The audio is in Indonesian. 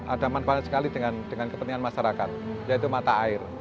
ada manfaatnya sekali dengan kepentingan masyarakat yaitu mata air